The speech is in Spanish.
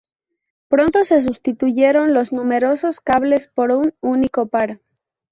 Pronto se sustituyeron los numerosos cables por un único par.